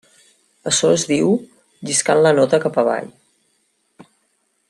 Açò es diu 'lliscant la nota cap avall'.